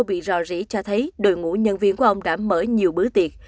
bị rò rỉ cho thấy đội ngũ nhân viên của ông đã mở nhiều bữa tiệc